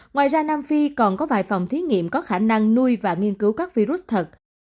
ngoài ra nam phi còn có vài phòng thí nghiệm có khả năng nuôi và nghiên cứu các virus thật